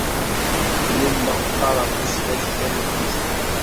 Nnummeɣ qqareɣ tusnakt tameddit.